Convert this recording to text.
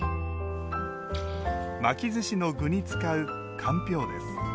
巻きずしの具に使うかんぴょうです。